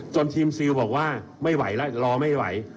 ทีมซิลบอกว่าไม่ไหวแล้วรอไม่ไหว